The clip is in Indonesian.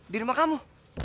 di rumah kamu